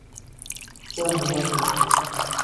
যা হবার হয়েছে।